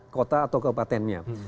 kota atau kabupatennya